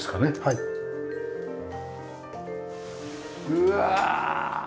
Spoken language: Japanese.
うわ！